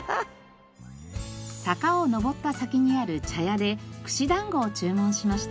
坂を登った先にある茶屋で串だんごを注文しました。